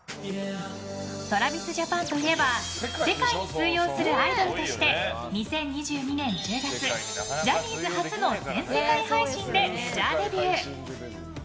ＴｒａｖｉｓＪａｐａｎといえば世界に通用するアイドルとして２０２２年１０月ジャニーズ初の全世界配信でメジャーデビュー。